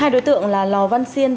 hai đối tượng là lò văn xiên